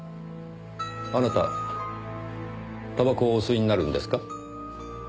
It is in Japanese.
あなたたばこをお吸いになるんですか？